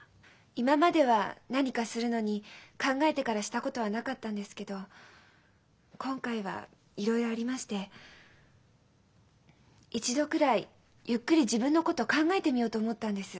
今までは何かするのに考えてからしたことはなかったんですけど今回はいろいろありまして一度くらいゆっくり自分のことを考えてみようと思ったんです。